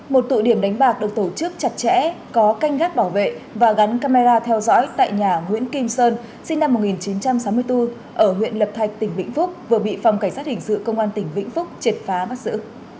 một tụ điểm đánh bạc được tổ chức chặt chẽ có canh gác bảo vệ và gắn camera theo dõi tại nhà nguyễn kim sơn sinh năm một nghìn chín trăm sáu mươi bốn ở huyện lập thạch tỉnh vĩnh phúc vừa bị phòng cảnh sát hình sự công an tỉnh vĩnh phúc triệt phá bắt giữ